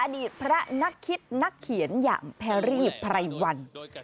อดีตพระนักคิดนักเขียนอย่างแพรรี่ไพรวัน